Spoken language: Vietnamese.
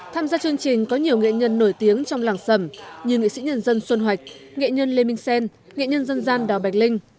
tham gia chương trình có nhiều nghệ nhân nổi tiếng trong làng sầm như nghệ sĩ nhân dân xuân hoạch nghệ nhân lê minh sen nghệ nhân dân gian đào bạch linh